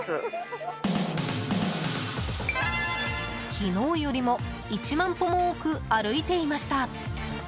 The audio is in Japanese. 昨日よりも１万歩も多く歩いていました。